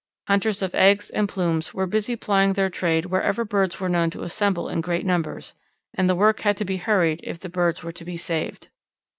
Hunters of eggs and plumes were busy plying their trades wherever birds were known to assemble in great numbers, and the work had to be hurried if the birds were to be saved.